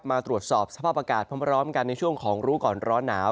มาตรวจสอบสภาพอากาศพร้อมกันในช่วงของรู้ก่อนร้อนหนาว